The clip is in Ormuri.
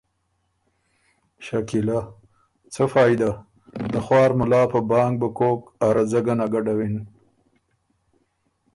شکیلۀ: څۀ فائدۀ؟ ته خوار ملا په بانګ بُو کوک ا رځۀ ګۀ نک ګډوِن۔